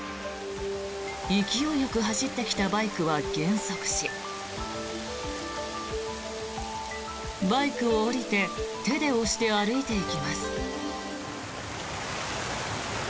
勢いよく走ってきたバイクは減速しバイクを降りて手で押して歩いていきます。